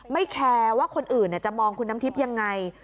แคร์ว่าคนอื่นจะมองคุณน้ำทิพย์ยังไง